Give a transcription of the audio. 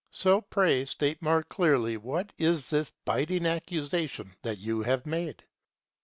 So pray state more clearly what is this biting accusation that you have made.